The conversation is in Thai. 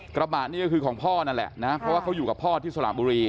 กระบะนี่ก็คือของพ่อนั่นแหละนะเพราะว่าเขาอยู่กับพ่อที่สระบุรี